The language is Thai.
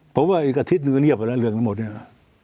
ผมว่าอีกอาทิตย์หนึ่งก็เงียบไปแล้วเรื่องทั้งหมดเนี่ย